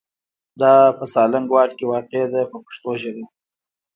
دا په سالنګ واټ کې واقع ده په پښتو ژبه.